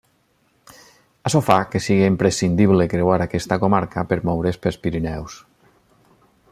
Açò fa que sigui imprescindible creuar aquesta comarca per moure's pels Pirineus.